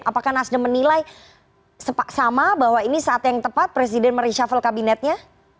apakah nasdem menilai sama bahwa ini saat yang tepat presiden mereshuffle kabinetnya